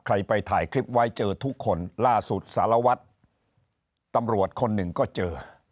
ไปถ่ายคลิปไว้เจอทุกคนล่าสุดสารวัตรตำรวจคนหนึ่งก็เจอ